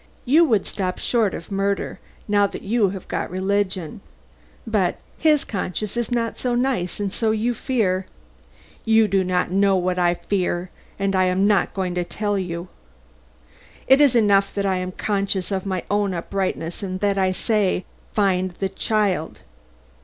You would stop short of murder, now that you have got religion. But his conscience is not so nice and so you fear " "You do not know what I fear and I am not going to tell you. It is enough that I am conscious of my own uprightness and that I say, Find the child!